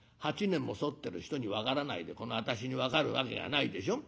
８年も添ってる人に分からないでこの私に分かるわけがないでしょ。